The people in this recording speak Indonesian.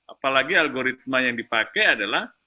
apalagi algoritma yang dipakai adalah